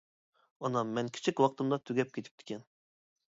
ئانام مەن كىچىك ۋاقتىمدا تۈگەپ كېتىپتىكەن.